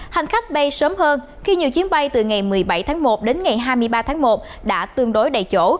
hành khách bay sớm hơn khi nhiều chuyến bay từ ngày một mươi bảy tháng một đến ngày hai mươi ba tháng một đã tương đối đầy chỗ